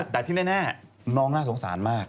แต่ที่แน่น้องน่าสงสารมาก